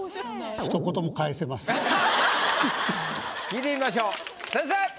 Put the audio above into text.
聞いてみましょう先生！